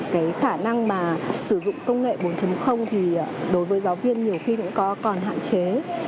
cái khả năng mà sử dụng công nghệ bốn thì đối với giáo viên nhiều khi cũng còn hạn chế